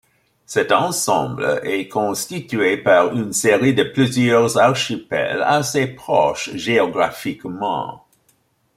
Cet ensemble est constitué par une série de plusieurs archipels assez proches géographiquement.